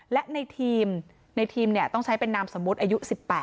และในทีมในทีมต้องใช้เป็นนามสมมุติอายุ๑๘